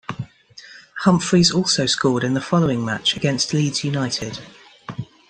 Humphreys also scored in the following match against Leeds United.